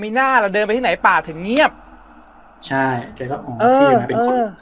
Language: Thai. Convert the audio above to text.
อ๋อมีหน้าแล้วเดินไปที่ไหนป่าถึงเงียบใช่แกก็อ๋อเออเป็นคน